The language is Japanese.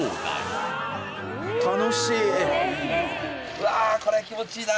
うわこれ気持ちいいな。